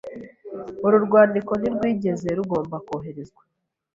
Uru rwandiko ntirwigeze rugomba koherezwa.